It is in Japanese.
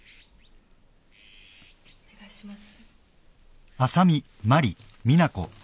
お願いします。